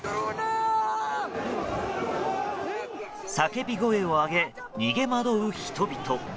叫び声を上げ、逃げ惑う人々。